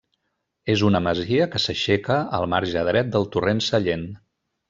És una masia que s'aixeca el marge dret del torrent Sallent.